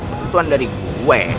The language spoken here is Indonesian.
tentuan dari gue